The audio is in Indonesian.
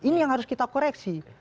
ini yang harus kita koreksi